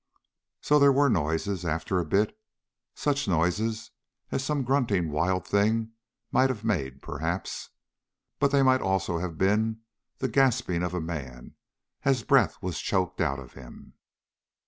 So there were noises, after a bit. Such noises as some grunting wild thing might have made, perhaps. But they might also have been the gasping of a man as breath was choked out of him....